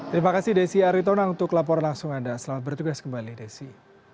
terima kasih desi aritonang untuk laporan langsung anda selamat bertugas kembali desi